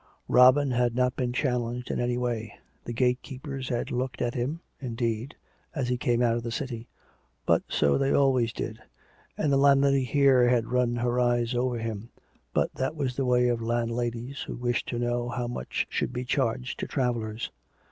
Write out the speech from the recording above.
Robin had not been challenged in any way; the gatekeepers had looked at him, indeed, as he came out of the City; but so they always did, and the landlady here had run her eyes over him; but that was the way of landladies who wished to know how much should be charged to travellers.